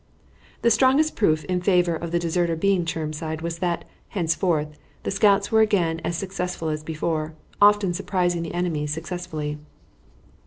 The strongest proof in favor of the deserter being Chermside was that, henceforth, the scouts were again as successful as before, often surprising the enemy successfully.